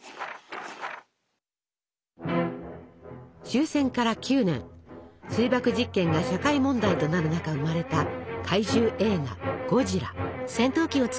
終戦から９年水爆実験が社会問題となる中生まれた怪獣映画「ゴジラ」。